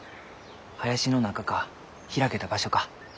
林の中か開けた場所か。